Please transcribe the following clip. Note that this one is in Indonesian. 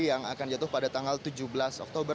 yang akan jatuh pada tanggal tujuh belas oktober